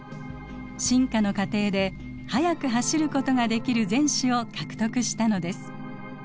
進化の過程で速く走ることができる前肢を獲得したのです。